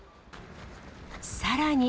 さらに。